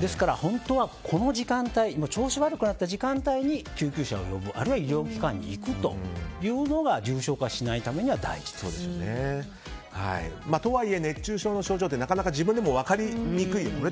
ですから本当は調子が悪くなった時間帯に救急車を呼ぶ、あるいは医療機関に行くというのがとはいえ、熱中症の症状ってなかなか自分でも分かりにくいですよね。